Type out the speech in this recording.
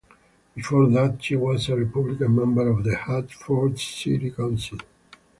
Before that, she was a Republican member of Hartford's City Council.